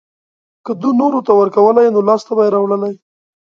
که ده نورو ته ورکولی نو لاسته به يې راوړلی.